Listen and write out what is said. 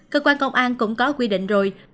cơ quan công an cũng có quy định rồi